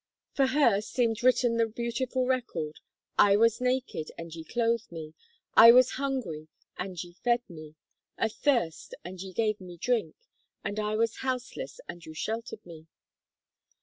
For her seemed written the beautiful record, "I was naked, and ye clothed me; I was hungry, and ye fed me: athirst, and ye gave me drink; and I was houseless, and you sheltered me."